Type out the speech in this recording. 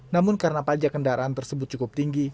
namun karena pajak kendaraan tersebut cukup tinggi